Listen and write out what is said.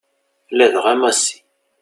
Ladɣa Massi.